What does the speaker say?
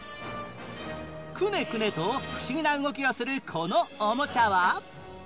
クネクネと不思議な動きをするこのおもちゃは？